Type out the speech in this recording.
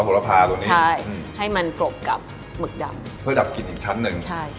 ผัวผัวปลายังนี่นะคะอย่างนี้ใช่ให้มันกรบกับหมึกดำเพื่อดับกลิ่นอีกชั้นนึง